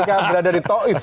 itu nada dari toif